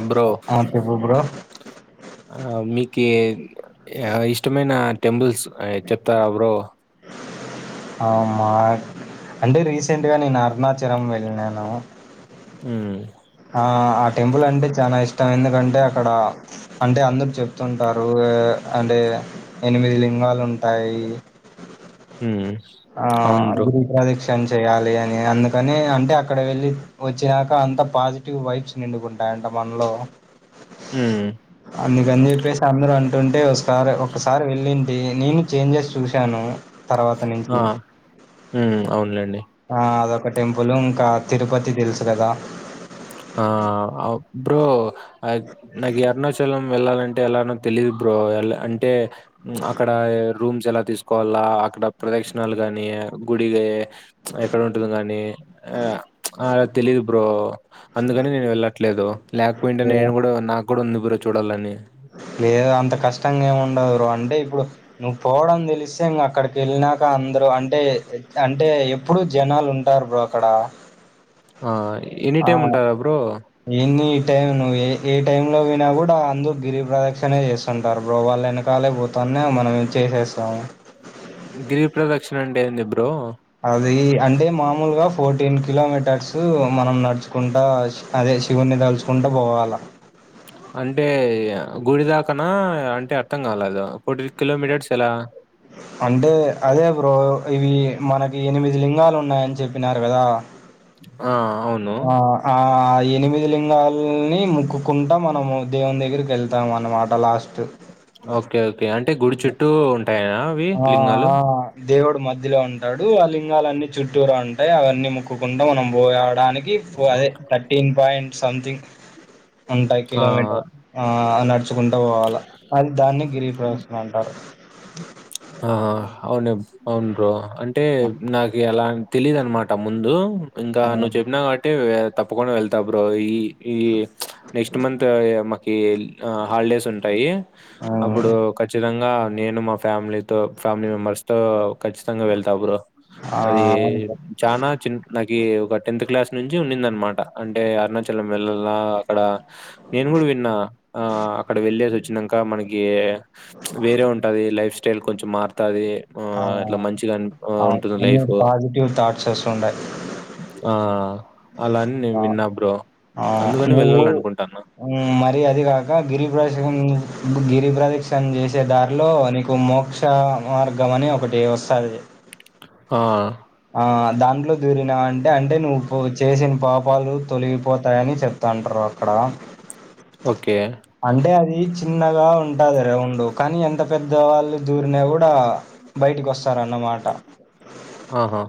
Abro ఆ చెప్పు bro మీ క ఇష్టమైన టెంపుల్స్ చెప్తారా బ్రో అవు మా అంటే రీసెంట్గా నేను అరుణాచలం వెళ్ళినాను ఉమ్ ఆ ఆ టెంపుల్ అంటే చాలా ఇష్టం ఎందుకంటే అక్కడ అంటే అందరు చెప్తుంటారు అంటే ఎనిమిది లింగాలు ఉంటాయి హ ఆ గిరిప్రద చేయాలి అని అందుకని అంటే అక్కడ వెళ్ళి వచ్చాక అంత పాజిటివ్ వైబ్స్ నిండుకుంటాయి అంటా మనలో హ అందుకని చెప్పేసి అందరూ అంటుంటే ఒకసారి ఒకసారి వెళ్ళింటి నేను చేంజెస్ చూశాను తర్వాత ఆ, నుంచి అవునులేండి ఆ అదొక టెంపుల్ ఇంకా తిరుపతి తెల్సు కదా ఆ అ బ్రో నాకు అరుణాచలం వెళ్ళాలంటే ఎలానో తెలిదు బ్రో ఎ అంటే అక్కడ రూమ్స్ ఎలా తీసుకోవాలా అక్కడ ప్రదక్షిణాలు కాని గుడిగా ఎక్కడ ఉంటది కానీ ఆ అలా తెలీదు బ్రో అందుకని నేను వెళ్ళట్లేదు లేకపోయిటే లేదా నేను కూడా నాకు కూడా ఉంది బ్రో చూడాలని లేదో అంత కష్టంగా ఏం ఉండదు బ్రో అంటే ఇప్పుడు నువ్వు పోవడం తెలిస్తే ఇంకా అక్కడికి వెళ్ళాక అందరు అంటే అంటే ఎప్పుడు జనాలు ఉంటారు బ్రో అక్కడ ఆ ఎనీ ఆ టైమ్ ఉంటారా బ్రో ఎన్ని టైం నువ్వు ఏ టైమ్ లో పోయిన కూడా అందరు గిరి ప్రదక్షణే చేస్తుంటారు బ్రో వాళ్ళ వెనకాలే పోతాను అన్న మనం చేసేస్తాము గిరిప్రదక్షిణ అంటేంది ఏంది బ్రో అది అంటే మామూలుగా ఫోర్టీన్ కిలోమీటర్స్ మనం నడుచుకుంటా అదే శివుని తలుచుకుంటూ పోవాలి అంటే గుడి దాకానా అంటే అర్థం కాలేదు ఫోర్టీన్ కిలోమీటర్స్ ఎలా అంటే అదే బ్రో ఇవి మనకి ఎనిమిది లింగాలు ఉన్నాయని చెప్పినారు కదా ఆ అవును ఆ ఆ ఎనిమిది లింగాల్ని మొక్కుకుంటా మనము, దేవుని దగ్గరికి వెళ్తాం అన్నమాట లాస్ట్ ఓకే ఓకే అంటే గుడి చుట్టూ ఉంటయనా? ఆ ఆ దేవుడు మధ్యలో ఉంటాడు, ఆ లింగాలన్ని చుట్టూరు ఉంటయి, అవన్నీ ముక్కుంటడా మనం పోయా డానికి అదే ఓకే. థర్టీన్ పాయింట్ సంథింగ్ ఉంటాయి ఆ కిలోమీటర్, ఆ నడుచుకుంటా పోవాలా అది దాన్ని గిరి ప్రదక్షణ అంటారు. ఆ అవును అవును బ్రో, అంటే ఆ నాకి ఎలా తెలీదనమాట ముందు ఇంకా నువ్ ఆ చెప్పినా వంటే తప్పకుండా వెళ్తా బ్రో ఈ ఈ ప్చ్ నెక్స్ట్ మంత్ మకి ఆ హాలిడేస్ ఉంటాయి అప్పుడు ఆ ఖచ్చితంగా నేను మా ఫ్యామిలీ తో ఫ్యామిలీ మెంబర్స్ తో ఖచ్చితంగా వెళ్తా బ్రో, అది అవును బ్రో చనా చిన్న నకీ ఒక టెన్త్ క్లాస్ నుంచి ఉన్నిందనమాట అంటే అరుణాచలం వెళ్ళలా అక్కడ ఆ నేను కూడా విన్నా, ఆ అక్కడ వెళ్ళేసి వచ్చినాక మనకి వేరే ఉంటది లైఫ్ స్టైల్ కొంచెం మారుతాది ఆహ్, ఇట్లా మంచిగా అన్ ఆహ్, ఆ ఉంటుంది అన్ని లైఫ్. పాజిటివ్ థాట్స్ వస్ ఉండాయి. ఆ అలాన్ని నేను విన్న బ్రో ఆ అందుకని నువ్వు వెళ్ళాలనుకుంటాన్నా. మర అది కాక గిరి ప్రేశం గిరి ప్రదక్షణ చేసే దారిలో నీకు మోక్ష మార్గం అని ఒకటి వస్తాది ఆ! ఆ దాంట్లో దురీన అంటే అంటే నువ్వు చేసిన పాపాలు తొలగిపోతాయని చెప్తంటరు. అక్కడ ఓకే అంటే అది చిన్నగా ఉంటాది రౌండు, కానీ ఎంత పెద్దవాళ్ళు దూరిన కూడా బయటికి వస్తారన్నమాట. ఆహా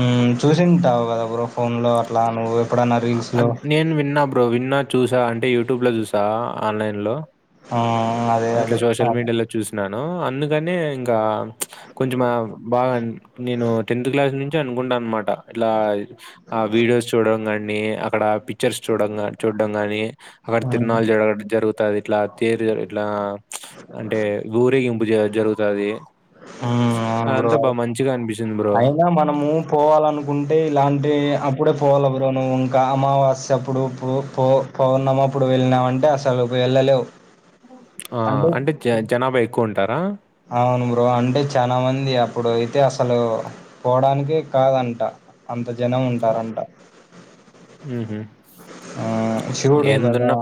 ఉమ్ చూసింటావు కదా బ్రో ఫోన్లో అట్లా నువ్వు ఎప్పుడన్నా రీల్స్‌లో? నేను విన్నా బ్రో, విన్నా చూసా అంటే యూట్యూబ్ లో చూసా, ఆన్లైన్ లో హ్మ్ అదే అట్లా అదే సోషల్ అవును. మీడియాలో చూసిన ను అందుకనే ఇంకా ప్చ్ కొంచ బాగా నేను టెన్త్ క్లాస్ నుం చి అనుకుంటా అనమాట ఇట్లా ఆ వీడియోస్ చూడం గానీ అక్కడ పి పిక్చర్స్ చూడం చూడడం కానీ, అక్కడ హ్మ్. తిరనాల జడ అ జరుగుతాది ఇట్లా, తీరు ఇట్లా అంటే ఊరేగింపు జ జరుగుతాది ఉమ్ అవును బ్రో అదంతా బా మంచిగా అనిపిచ్చింది బ్రో. అయినా మనము పోవాలనుకుంటే ఇలాంటి అప్ ప్పుడే పోవల బ్రో నువ్వు ఇంకా అమావాస్య అప్పుడు ఇప్పుడు పో పౌర్ణమ ఇప్పుడు వెళ్ళినా అంటే అసలు వెళ్ళలేవ్ ఆ అంటే జ జనాభా ఎక్కువ ఉంటారా? అవును బ్రో, అంటే చాన మంది అప్పుడు అయితే అసలు పోడానినికి కాదంట అంత జనం ఆ! ఉంటారంట హుహు. ఆ శివుడు కదా.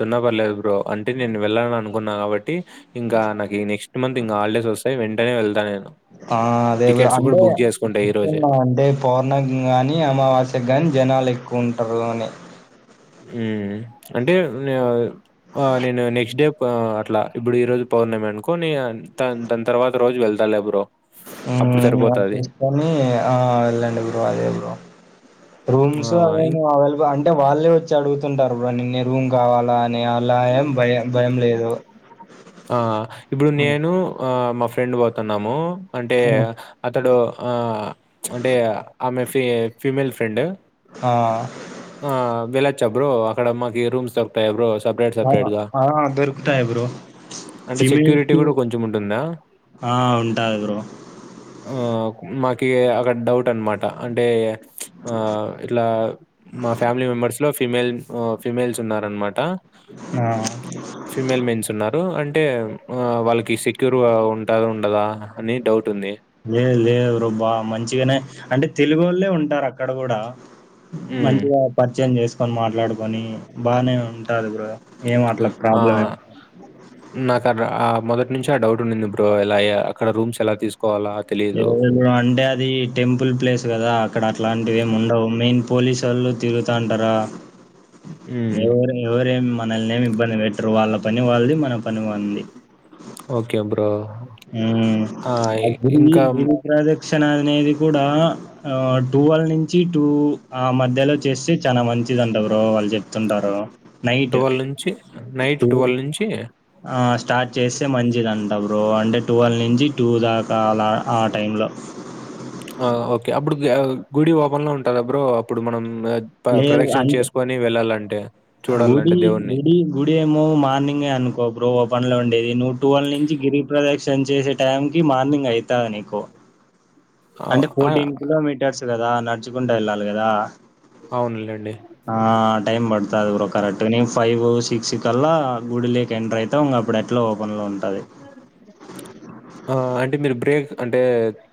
తున్న పర్లేదు బ్రో అంటే నేను వెళ్ళాలని అనుకున్నా కాబట్టి ఇంకా నాకు నెక్స్ట్ మంత్ ఇంకా హాలిడేస్ వస్ తయి వెంటనే వెళ్తానేను ఆ అదే బ్రో అంటే ఈ రోజే. చెప్తున్నా అంటే పౌర్ణకాని అమావాస్ గాని జనాలు ఎక్కువ ఉంటరూ అని ఉమ్ అంటే నే ఆ నేను నెక్స్ట్ డే అట్లా ఇప్పుడు ఈ రోజు పౌర్ణమి అనుకో, నే దని దాని తర్వాత రోజు వెళ్త తాలె బ్రో అప్పుడు ఉమ్ సరిపోతాది. చూసుకొని ఆ వెళ్ళండి బ్రో అదే బ్రో. రూమ్స్ ఆ! ఇం అవేమో అవైలబుల్ అంటే వాళ్ళే వ అడుగుతుంటారు నిన్నే రూమ్ కావాలా అని అలా ఏం భయం భయం లేదు ఆ ఇప్పుడు హ్మ్. నేను ఆ మా ఫ్రెండ్ పోతున్నాము అంటే హ్మ్. అతడు ఆ అంటే ఆమె ఫీ ఫీమేల్ ఫ్రెండ్ ఆ ఆ వెళ్ళచ్చా బ్రో అక్కడ మాకి రూమ్స్ దొరుకుతాయా బ్రో సెపరేట్ ఆ సెపరేట్‌గా? ఆ దొరుకుతాయి బ్రో అంటే ఫిమేల్ సెక్యూరిటీ కి గూడా కొంచెం ఉంటుందా? ఉంటాంది బ్రో ఆ మాకి అక్కడ డౌట్ అన్నమాట అంటే ఆ ఇట్లా మా ఫ్యామిలీ మెంబర్స్ లో ఫిమేల్ ఫిమేల్స్ ఉన్నారన్నమాట ఆ! ఫిమేల్ మెన్స్ ఉన్నారు అంటే అంటే వాళ్ళకి సెక్యూర్ ఉంటదా ఉండదా అని డౌట్ లే లేదు బ్రో మంచిగానే అంటే తెలుగు ఓల్లే ఉంటారు అక్కడ కూడా హ్మ్. మంచిగా పరిచయం చేసుకొని మాట్లాడుకొని బాగానే ఉంటది బ్రో ఏం అట్లా ఆ ప్రాబ్లమ్ ఏం నాకక్క ఆ మొదటి నుంచి ఆ డౌట్ ఉండింది బ్రో ఎలా అక్కడ రూమ్స్ ఎలా తీసుకు అంటే అది టెంపుల్ ప్లేస్ కదా అక్కడ అట్లాంటిఏమి ఉండవు మెయిన్ పోలీస్ వాళ్ళు తిరుగుతాంటారా హ్మ్. ఎవరు ఎవరేమి మనల్నినేమి ఇబ్బంది పెట్టరు వాళ్ళ పని వాళ్ళది మన పని మనది ఓకే బ్రో. ఆ! అయితే ఈ ఇంకా గుడి ప్రాజెక్ట్స్ అనేది కూడా టూవేలెవ్ నుంచి టూ ఆ మధ్యలో చేస్తే చానా మంచి మంచిదంట బ్రో వాళ్ళు చెపుతుంటారు ట్వల్వ్ నుంచి నైట్ ట్వల్వ్ నుంచి స్టార్ట్ చేస్తే మంచిదంట బ్రో అంటే ట్వల్వ్ నుంచి టూ దాకా అలా ఆ టైంలో ఆ ఓకే అప్పుడు గుడి ఓపన్ లో ఉంటంద బ్రో అప్పుడు మనం లేదు ప్రదక్షణ అంటే చేసుకోని వెళ్ళాలంటే గుడి చూడాలంటే దేవుడిని. గుడి గుడి ఏమో మార్నింగే అనుకో బ్రో ఓ పనులో ఉండేది నువ్వు ట్వెల్వ్ నుంచి గిరి ప్రదక్షణ చేసే టైం కి మార్నింగ్ అయితంది నీకు అంటే ఆహ్, ఆ! ఫోర్టీన్ కిలోమీటర్స్ కదా నడుచుకుంట వెళ్ళాలి కదా అవునలేండి ఆ టైం పడుతాది బ్రో కరెక్ట్ గా నేను ఫైవ్ సిక్స్ కల్లా గుడి లేక్ ఎంటర్ అయితం అప్పుడు ఎట్లా ఓపెన్ లో ఉ టది అంటే మీరు బ్రేక్ అంటే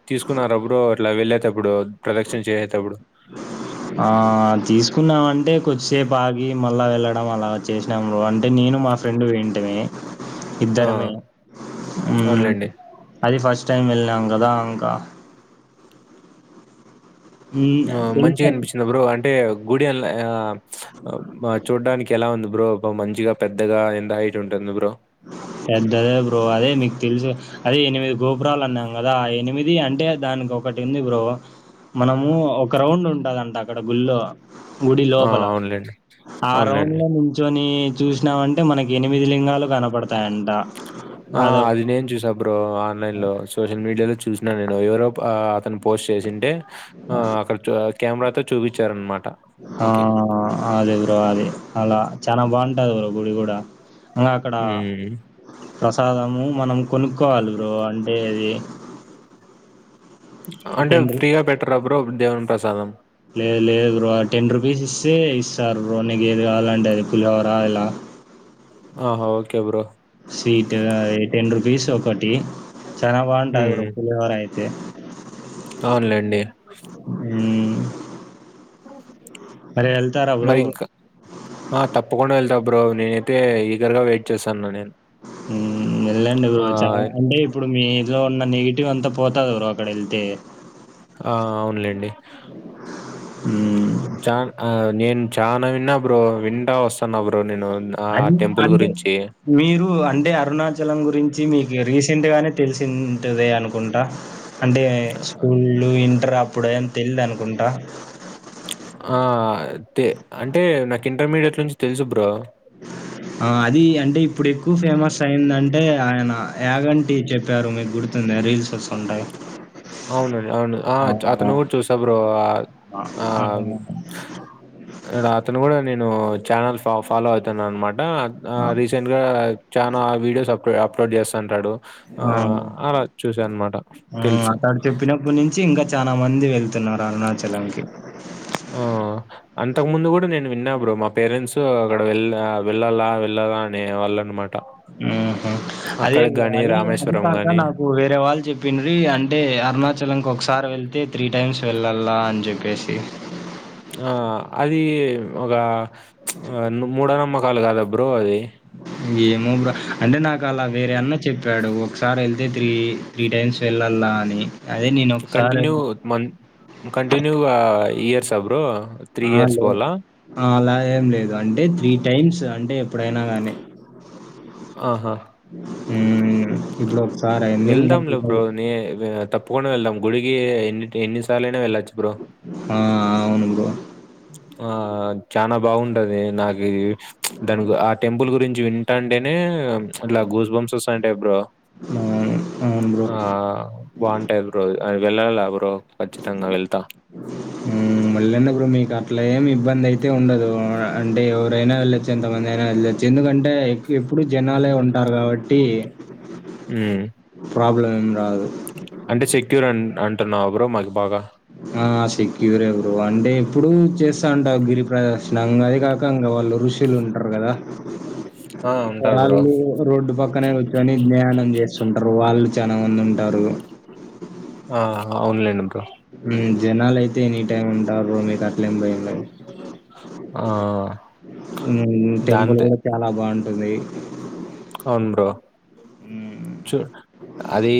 తీసుకున్నర బ్రో ఇట్లా వెళ్ళేటప్పుడు ప్రదక్షిణ చేసేటప్పుడు? ఆ తీసుకున్నామ అంటే కొద్దిసేపు ఆగి మళ్ళా వెళ్ళడం అలా చేసినాము అంటే నేను మా ఫ్రెండ్ పోయింటిమి ఆ! ఇద్దరమే అవునులెండి. అది ఫస్ట్ టైం వెళ్ళినాం కదా ఇంకా మ్మ్, మంచిగా తెలుసండి అనిపించిందా బ్రో అంటే గుడి అ చూడ్డానికి ఎలా ఉంది బ్రో మంచిగా పెద్దగా ఎంత హైట్ ఉంటుంది బ్రో? పెద్దదే బ్రో అదే మీకు తెలుసు అదే ఎనిమిది గోపురాలు అన్నాం కదా ఆ ఎనిమిది ఇది అంటే దానికి ఒకటింది బ్రో మనము ఒక రౌండ్ ఉంటాదంట అక్కడ గుల్లో గుడి ఆ! లోపల అవునులెండి. ఆ అవునులెండి. రౌండ్ లో నుంచొని చూసినామంటే మనకి ఎనిమిది లింగాలు కనపడతాయం ఆ అది నేన్ చూసా బ్రో ఆన్లైన్ లో సోషల్ మీడియాలో చూసినాను నేను ఎవరో అతను పోస్ట్ చేసింటే ఆ అక్కడ చు కెమెరాతో చూపించారన్నమాట ఆ అదే బ్రో అదే అలా చానా బాగుంటది బ్రో గుడి కూడా అక్కడ హ్మ్. ప్రసాదము మనం కొనుక్కోవాలి బ్రో అంటే అది అంటే టెన్ రూ ఫ్రీగా పెట్టర బ్రో దేవుని ప్రసాదం లేదు లేదు బ్రో టెన్ రూపీస్ ఇస్తే స్తర్ బ్రో నీకు ఏది కావాలంటే అది పులిహోరా ఇలా ఆహా okay bro sweet ten rupees ఒకటి చనా బాగుంటాయి బ్రో పులిహోర అయితే అవునులేండి మ్మ్ మరి వెళ్తారా బ్రో మరి ఇంకా ఆ తప్పకుండా వెళ్తాం బ్రో నేనైతే ఈగర్గా వెయిట్ చేస్తనా నేను వెళ్ళండి బ్రో చాలా ఆహ్, అంటే ఇప్పుడు మీ ఇందులో ఉన్న నెగిటివ్ అంతా పోతది బ్రో అక్కడ వెళ్తే ఆ అవునులేండి మ్మ్. చా నేను చానా విన్నా బ్రో వింటా వస్తున్నా బ్రో నేను ఆ అ టెంపుల్ అంటే గురించి. మీరు అంటే అరుణాచలం గురించి మీకు రీస్ చ్చంటగానే తెలిసింటదే అనుకుంటా అంటే స్కూళ ఇంటర్ అప్పుడు ఏని తెలిదు అనుకుంటా ఆ! తే అంటే నాకు ఇంటర్మీడియట్ నుంచి తెలుసు బ్రో ఆ అది అంటే ఇప్పుడు ఎక్కువ ఫేమస్ అయిందంటే ఆయన యాగంటి చెప్పారు మీకు గుర్తుంది రీల్స్ వస్తుంటాయి అవునుండి అవును ఆ అతను కూడా చూసా బ్రో ఆ ఆ అతను కూడా నేను ఛానల్ ఫ ఫాలో అవుతాను అనమాట ఆ! రీసెంట్ గా చా ఆ వీడియోస్ అప్ అప్లోడ్ చేస్తంటాడు ఆ అలా చూసా అనమాట ఆ తెలుసు. అతడు చెప్పినప్పటి నుంచి ఇంకా చాలా మంది వెళ్తున్నారు అరుణాచలంకి ఆ అంతకు ముందు కూడా నేను విన్నా బ్రో మా పేరెంట్స్ అక్కడ వెళ్ వెళ్ళాలా వెళ్ళాలా అనే వాళ్ళ అనమాట మ్మ్ హ్మ్ అదే బ్రో గాని, అదే అది రామేశ్వరం కాక గాని. నాకు వేరే వాళ్ళు చెప్పిన్రి అంటే అరుణాచలంకి ఒకసారి వెళ్తే త్రీ టైమ్స్ వెళ్ళాలా అని చెప్పేసి ఆ అది ఒక ఆ మూఢనమ్మకాలు కాదా బ్రో అది ఏమో బ్రో అంటే నాకు అలా వేరే అన్న చెప్పాడు ఒకసారి వెళ్తే త్రీ త్రీ టైమ్స్ వెళ్ళాల కాని కంటన్యూ మంత కంటింటన్యూ ఇయర్స్ ఆ బ్రో ఆ ఇయర్స్ లే పోవాలా? అలా ఏం లేదు అంటే త్రీ టైమ్స్ అంటే ఎప్పుడైనా గానీ ఆహా మ్మ్ ఇ బ్లోక్ వెళ్దాంలే బ్రో నీ తప్పుకుండా వెళ్దాం గుడికి ఎన్ని ఎన్నిసార్లు అయినా వెళ్ళచ్చ ఆ అవును బ్రో ఆ చాలా బాగుంటది నాకు దాని ఆ టెంపుల్ గురించి జ వింట అంటేనే ఇలా గూస్ బంస్ వస్తా ఉంటాయి బ్రో అవును అవును బ్రో ఆ బాగుంటాయి బ్రో అది వెళ్ళాలా బ్రో కచ్చితంగా వెళ్తా హ్మ్ వెళ్ళండి బ్రో మీకు అట్లా ఏమి ఇబ్బంది అయితే ఉండదు అంటే ఎవరైనా వెళ్ళొచ్చు ఎంతమంది అయినా వెళ్ళొచ్చు ఎందుకంటే ఎప్పుడు జనాలే ఉంటారు కాబట్టి హ్మ్. ప్రాబ్లం ఏం రాదు అంటే సెక్యూర్ అ అంటున్నా బ్రో మాకు బాగా అ ఆ సెక్యూర ఎవరు అంటే ఎప్పుడు చేస్తా ఉంటా గిరి ప్రదర్శన అదే కాక ఇం వాళ్ళు రుషి టిలు ఉంటారు కదా ఆ ఉంటారు బ్రో వాళ్ళు రోడ్డు పక్కనే కూచుని ధ్యానం చేస్తుంటారు వాళ్ళు చాల న వందు ఉంటారు ఆ అవునులేండి బ్రో జనాలు అయితే ఎనిటైమ్ ఉంటారూ బ్రో మీ దగ్గ ఆ టెంపుల్ దాంతే కూడా చాలా బాగుంటుంది అవును బ్రో ఆ చూ అది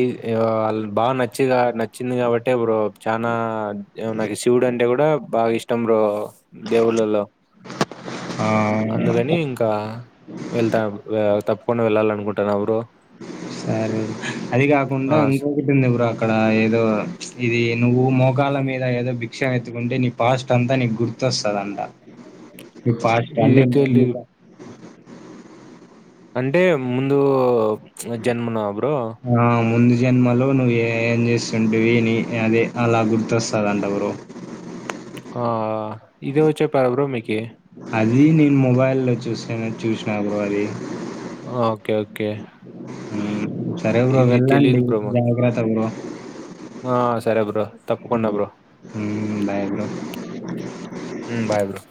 వాళ్ళ బాగా నచ్చి నచ్చింది కాబట్టి బ్రో చనా నాకు శివుడు అంటే కూడా బాగా ఇష్టం బ్రో దేవుళ్ళలో ఆ, అందుకని ఇంకా వెళ్తాము బ్రో తప్పకుండా వెళ్ళాలి అనుకుంటున్నావా బ్రో సారీ అది కాకుండా ఆ, ఇంకొకటింది బ్రో అక్కడ ఏదో ఇది నువ్వు మోగాల మీద ఏదో బి క్షం ఎత్తుకుంటే నీ పాస్ట్ అంతా నీకు గుర్తొస్తుందంట మీకు ఫాస్ట్ ఇది అంటే మేం తెలీదు ఇగ అంటే ముందు జన్మన బ్రో ఆ, ముందు జన్మలో నువ్వు ఏం చేస్తుంటివిని అదే అలా గుర్తొస్తుందంట బ్రో ఆ ఇది ఎవరు చెప్పారు బ్రో మీకి అది నేను మొబైల్లో చూసాను చూసినా బ్రో అది ఆ, ఓకే ఓకే హ్మ్. సరే బ్రో ఇది వెళ్ళండి తెలియదు బ్రో జాగ్రత్త బ్రో ఆ సరే బ్రో తప్పుకుండ హ్మ్. బ్రో హ్మ్. Bye bro. Bye bro